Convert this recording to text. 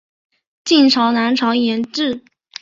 晋朝南朝沿置。